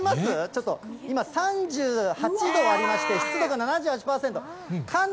ちょっと、今３８度ありまして、湿度が７８％。